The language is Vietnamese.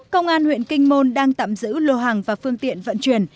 công an huyện kinh môn đang tạm giữ lô hàng và phương tiện vận chuyển